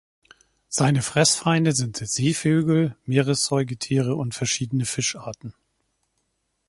Seine Fressfeinde sind Seevögel, Meeressäugetiere und verschiedene Fischarten.